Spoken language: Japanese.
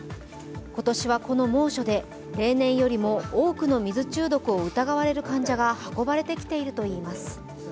今年はこの猛暑で例年よりも多くの水中毒を疑われる患者が運ばれてきているといいます。